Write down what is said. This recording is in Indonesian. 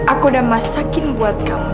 aku udah masakin buat kamu